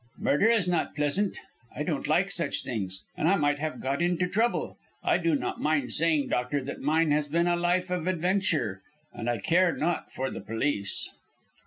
"Murder is not pleasant. I don't like such things. And I might have got into trouble. I do not mind saying, doctor, that mine has been a life of adventure, and I care not for the police."